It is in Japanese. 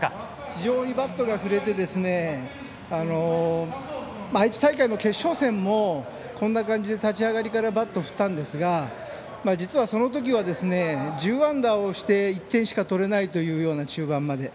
非常にバットが振れて愛知大会の決勝戦もこんな感じで立ち上がりからバットを振ったんですが実は、その時は１０安打して１点しか取れないという中盤まで。